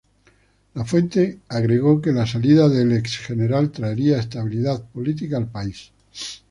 La fuente agregó que la salida del ex general traería estabilidad política al país.